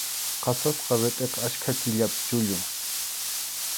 Qasasqa ritʼiqa achka killapi chullun.